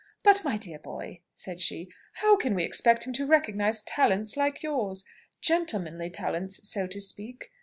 "But, my dear boy," said she, "how can we expect him to recognise talents like yours gentlemanly talents, so to speak?